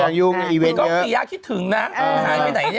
แล้วพี่ย้าคิดถึงนะ